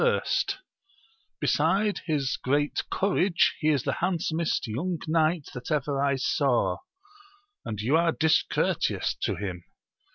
first r besides his great courage, he is the handsomest young knight that ever I saw, and you are discour teous to him.